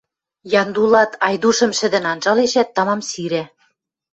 Яндулат Айдушым шӹдӹн анжалешӓт, тамам сирӓ.